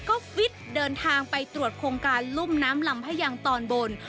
ก็ฟิตเดินทางไปตรวจโครงการลุ่มน้ำลำพะยังตอนบน